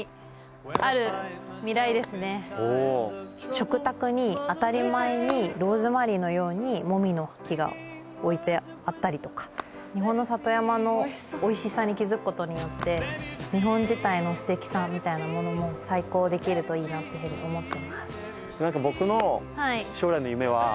食卓に当たり前にローズマリーのようにモミの木が置いてあったりとか日本の里山のおいしさに気付くことによって日本自体のステキさみたいなものも再考できるといいなというふうに思ってます。